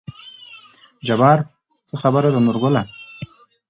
جبار : څه خبره ده نورګله